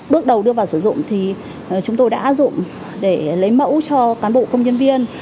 bước đầu đưa vào sử dụng thì chúng tôi đã áp dụng để lấy mẫu cho cán bộ công nhân viên